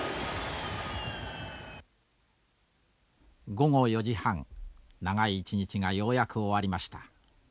午後４時半長い一日がようやく終わりました。